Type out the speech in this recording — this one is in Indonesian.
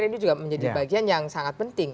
saya kira ini juga menjadi bagian yang sangat penting